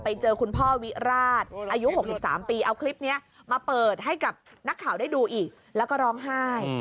คุณพ่อวิราชอายุ๖๓ปีเอาคลิปนี้มาเปิดให้กับนักข่าวได้ดูอีกแล้วก็ร้องไห้